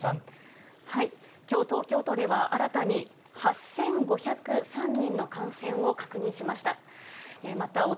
きょう、東京都では新たに８５０３人の感染を確認しました。